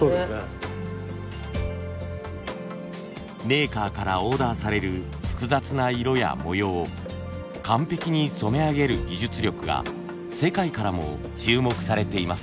メーカーからオーダーされる複雑な色や模様を完璧に染め上げる技術力が世界からも注目されています。